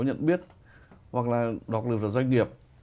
nhận biết hoặc là đọc được là doanh nghiệp